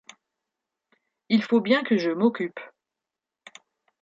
Il faut bien que je m'occupe.